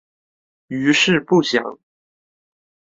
余事不详。